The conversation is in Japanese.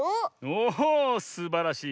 おすばらしい。